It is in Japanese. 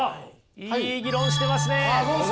いい議論してますね。